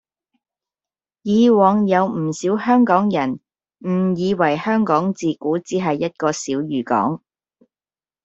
以往有唔少香港人誤以為香港自古只係一個小漁港